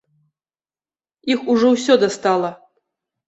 Іх ужо ўсё дастала.